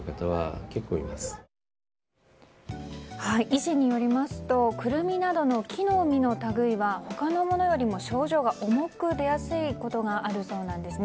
医師によりますとクルミなどの木の実の類いは他のものよりも症状が重く出やすいことがあるそうです。